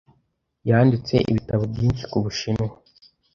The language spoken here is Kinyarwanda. Yanditse ibitabo byinshi ku Bushinwa.